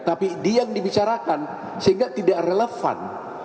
tapi dia yang dibicarakan sehingga tidak relevan